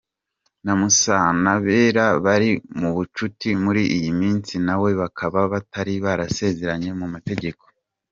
Na Musanabera bari mu bucuti muri iyi minsi nawe bakaba batari barasezeranye mu mategeko.